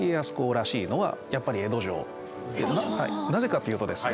なぜかというとですね